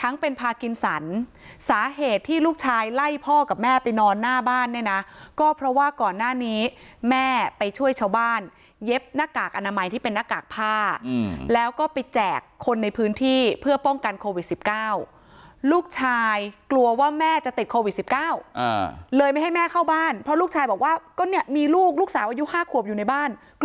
ทั้งเป็นภากินสรรสาเหตุที่ลูกชายไล่พ่อกับแม่ไปนอนหน้าบ้านเนี่ยนะก็เพราะว่าก่อนหน้านี้แม่ไปช่วยชาวบ้านเย็บหน้ากากอนามัยที่เป็นน้ากากผ้าแล้วก็ไปแจกคนในพื้นที่เพื่อป้องกันโควิด๑๙ลูกชายกลัวว่าแม่จะติดโควิด๑๙เลยไม่ให้แม่เข้าบ้านเพราะลูกชายบอกว่าก็เนี่ยมีลูกลูกสาวอายุ๕ขวบอยู่ในบ้านก